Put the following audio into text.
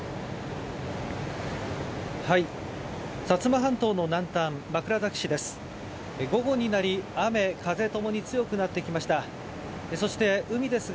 薩摩半島の南端、枕崎市です。